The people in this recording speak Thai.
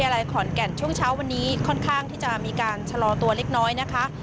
อะไรขอนแก่นช่วงเช้าวันนี้ค่อนข้างที่จะมีการชะลอตัวเล็กน้อยนะคะ